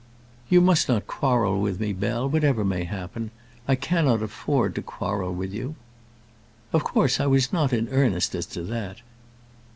"You must not quarrel with me, Bell, whatever may happen. I cannot afford to quarrel with you." "Of course I was not in earnest as to that."